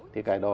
thì cái đó